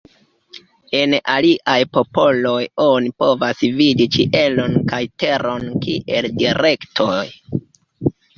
En aliaj popoloj oni povas vidi ĉielon kaj teron kiel direktoj.